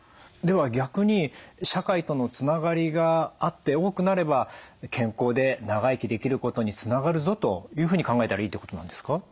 では逆に社会とのつながりがあって多くなれば健康で長生きできることにつながるぞというふうに考えたらいいってことなんですか？